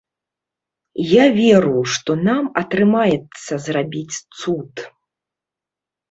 Я веру, што нам атрымаецца зрабіць цуд.